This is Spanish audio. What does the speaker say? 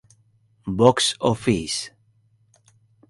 Box Office.